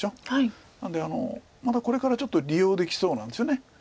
なのでまだこれからちょっと利用できそうなんですよね。